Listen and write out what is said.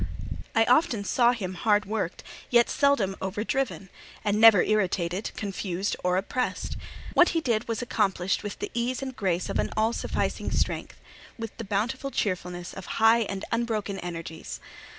I often saw him hard worked, yet seldom over driven, and never irritated, confused, or oppressed. What he did was accomplished with the ease and grace of all sufficing strength; with the bountiful cheerfulness of high and unbroken energies.